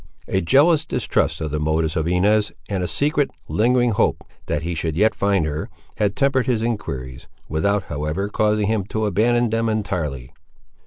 A jealous distrust of the motives of Inez, and a secret, lingering, hope that he should yet find her, had tempered his enquiries, without however causing him to abandon them entirely.